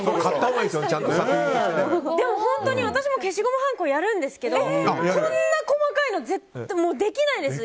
でも、本当に私も消しゴムはんこやるんですけどこんなに細かいのできないです。